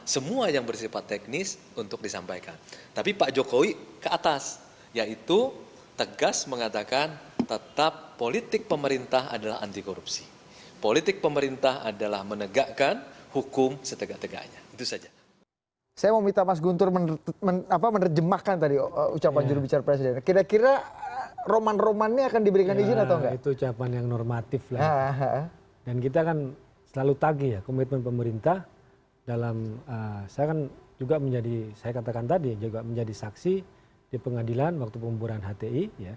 saya kan juga menjadi saya katakan tadi ya juga menjadi saksi di pengadilan waktu pemburan hti